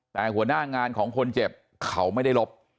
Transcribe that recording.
แต่หัวหน้างานของคนเจ็บเขาไม่ได้ลบ